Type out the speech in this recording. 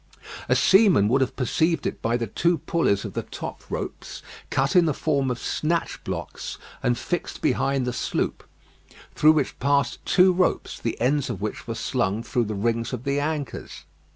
A seaman would have perceived it by the two pulleys of the top ropes cut in the form of snatch blocks, and fixed behind the sloop, through which passed two ropes, the ends of which were slung through the rings of the anchors.